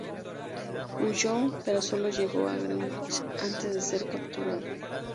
Huyó, pero sólo llegó a Greenwich antes de ser capturado.